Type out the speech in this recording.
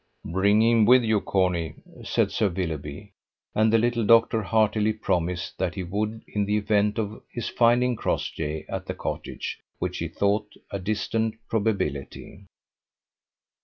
"Bring him with you, Corney," said Sir Willoughby; and the little doctor heartily promised that he would, in the event of his finding Crossjay at the cottage, which he thought a distant probability.